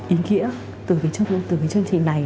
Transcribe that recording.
ý nghĩa từ cái chương trình này